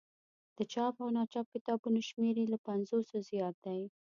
د چاپ او ناچاپ کتابونو شمېر یې له پنځوسو زیات دی.